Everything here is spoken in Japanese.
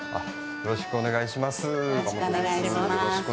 よろしくお願いします。